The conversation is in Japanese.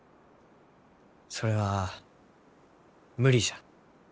それは無理じゃ。